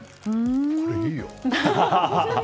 これ、いいよ。